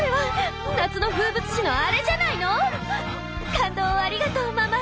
感動をありがとうママ！